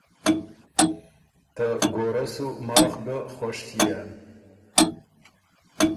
ته ګورۀ سُو ماخ ګۀ خوش ݭيېن“